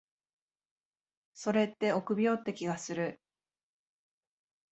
それって臆病って気がする。